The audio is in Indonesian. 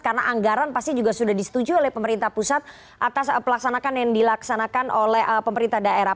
karena anggaran pasti juga sudah disetujui oleh pemerintah pusat atas pelaksanakan yang dilaksanakan oleh pemerintah daerah